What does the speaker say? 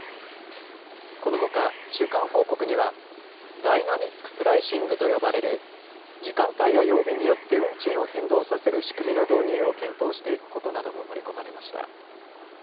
このほか、中間報告にはダイナミックプライシングと呼ばれる時間帯や曜日によって運賃を変動させる仕組みの導入を検討していくことなども盛り込まれました。